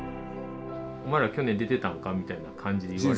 お前ら去年出てたんかみたいな感じで。